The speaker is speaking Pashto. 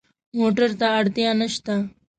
موټر ته اړتیا نه شته.